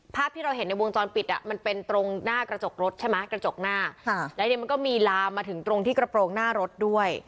ภาพที่เราเห็นในวงจรปิดอ่ะมันเป็นตรงหน้ากระจกรถใช่ไหมกระจกหน้าแล้วเนี่ยมันก็มีลามมาถึงตรงที่กระโปรงหน้ารถด้วย